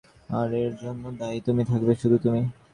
আর এর জন্য দায়ী তুমি থাকবে, শুধু তুমি।